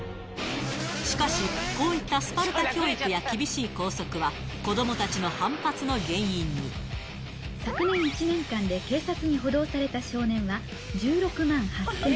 しかし、こういったスパルタ教育や厳しい校則は、昨年１年間で警察に補導された少年は、１６万８０００人。